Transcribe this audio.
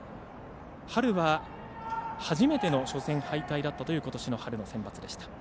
春は初めての初戦敗退だったということしの春のセンバツでした。